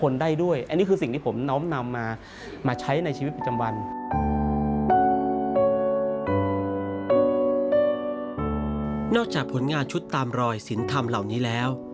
นอกจากผลงานชุดตามรอยศิลป์ธรรมเหล่านี้แล้ว